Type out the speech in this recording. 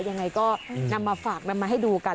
ยังไงก็นำมาฝากนำมาให้ดูกัน